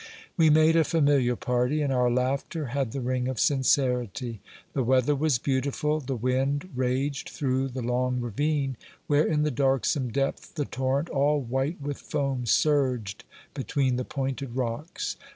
We made a familiar party, and our laughter had the ring of sincerity. The weather was beautiful; the wind raged through the long ravine where, in the darksome depth, the torrent, all white with foam, surged between the pointed rocks.